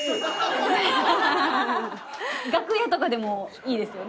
楽屋とかでもいいですよね。